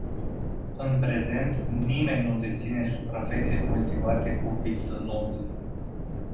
În prezent nimeni nu deține suprafețe cultivate cu viță nobilă.